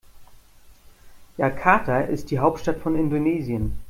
Jakarta ist die Hauptstadt von Indonesien.